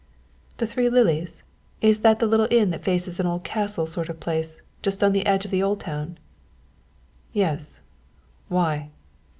"The Three Lilies? Is that the little inn that faces an old castle sort of a place just on the edge of the Old Town?" "Yes why?"